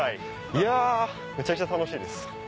いやめちゃくちゃ楽しいです。